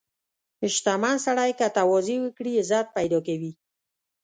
• شتمن سړی که تواضع وکړي، عزت پیدا کوي.